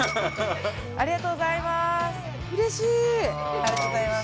ありがとうございます。